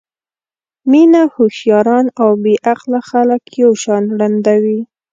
مینه هوښیاران او بې عقله خلک یو شان ړندوي.